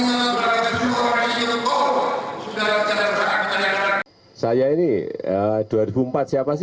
mereka yang menghormati yang menghormati